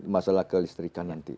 masalah kelistrikan nanti